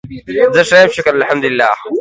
زه ښه یم شکر الحمدالله